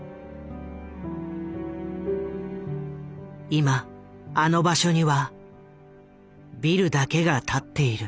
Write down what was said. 今あの場所にはビルだけが立っている。